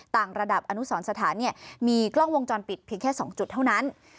ต่างระดับอนุสรสถานมีกล้องวงจรปิดเพียงแค่๒จุดเท่านั้น